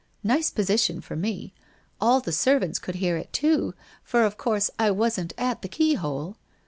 Nice position for me ! All the servants could hear it, too; for, of course, I wasn't at the keyhole.